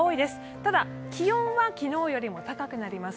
ただ気温は昨日よりも高くなります。